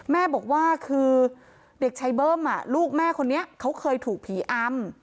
แม่บอกว่าคือเด็กชายเบิ้มลูกแม่คนนี้เขาเคยถูกผีอำ